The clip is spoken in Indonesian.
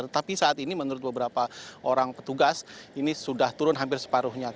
tapi saat ini menurut beberapa orang petugas ini sudah turun hampir separuhnya